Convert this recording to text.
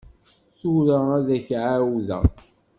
Tura ad ak-d-ɛawdeɣ.